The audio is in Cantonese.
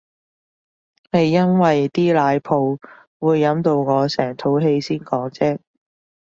係因為啲奶泡會飲到我成肚氣先講啫